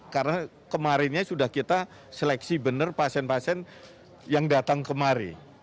karena kemarinnya sudah kita seleksi benar pasien pasien yang datang kemari